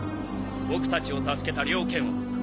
僕たちを助けた了見を。